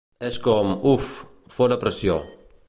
És com: 'Uf! Fora pressió'.